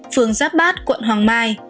phường giáp bát quận hoàng mai